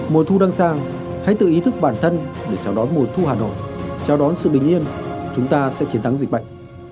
mùa thu đang sang hãy tự ý thức bản thân để chào đón mùa thu hà nội chào đón sự bình yên chúng ta sẽ chiến thắng dịch bệnh